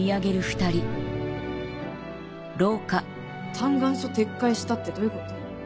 嘆願書撤回したってどういうこと？